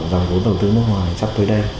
dòng vốn đầu tư nước ngoài sắp tới đây